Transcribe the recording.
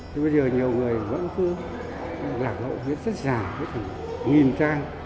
thế bây giờ nhiều người vẫn cứ lạc ngộ viết rất dài hết thằng nghìn trang